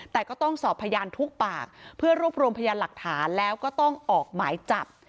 แต่ก็ต้องสอบพยานทุกปากเพื่อรวบรวมพยานหลักฐานแล้วก็ต้องออกหมายจับ